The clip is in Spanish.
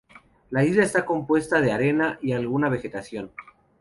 La isla está compuesta de arena y alguna vegetación.